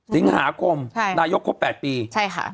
สิงหาคมนายกครบ๘ปีใช่ค่ะ